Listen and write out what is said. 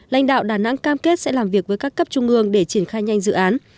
lãnh đạo đà nẵng cam kết sẽ làm việc với các cấp trung ương để triển khai nhanh dự án